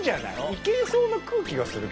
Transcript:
いけそうな空気がするけど。